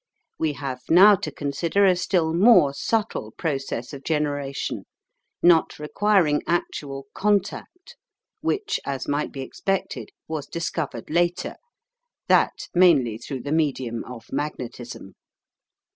We have now to consider a still more subtle process of generation, not requiring actual contact, which, as might be expected, was discovered later, that, mainly through the medium of magnetism.